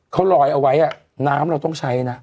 เขาลอยเอาไว้น้ำเราต้องใช้นะ